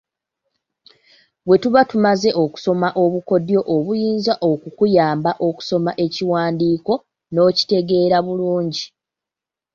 Bwe tuba tumaze okusoma obukodyo obuyinza okukuyamba okusoma ekiwandiiko n’okitegeera bulungi.